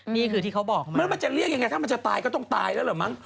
นี่คือที่เขาบอกมาแล้วมันจะเรียกยังไงถ้ามันจะตายก็ต้องตายแล้วเหรอมั้ง